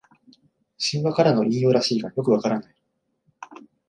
神話からの引用らしいがよくわからない